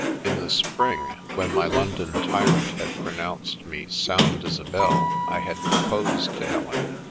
In the spring, when my London tyrant had pronounced me " sound as a bell," I had proposed to Helen.